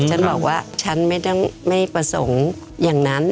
ฉันบอกว่าฉันไม่ต้องไม่ประสงค์อย่างนั้น